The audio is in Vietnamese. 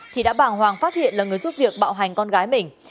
thì đã bà hoàng phát hiện là người giúp việc bạo hành con gái mình